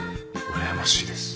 羨ましいです。